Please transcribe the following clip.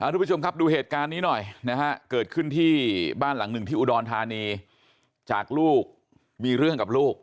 ทุกผู้ชมครับดูเหตุการณ์นี้หน่อยนะฮะเกิดขึ้นที่บ้านหลังหนึ่งที่อุดรธานีจากลูกมีเรื่องกับลูก